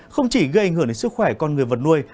không chỉ gây ảnh hưởng đến sức khỏe con người vật nuôi